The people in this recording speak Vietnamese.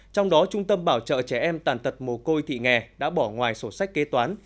trong đó trung tâm bảo trợ trẻ em tàn tật mồ côi thị nghè đã bỏ ngoài sổ sách kế toán